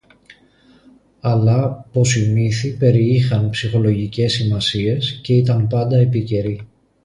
αλλά πως οι μύθοι περιείχαν ψυχολογικές σημασίες και ήταν πάντα επίκαιροι